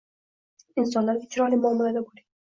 Insonlarga chiroyli muomalada bo‘ling.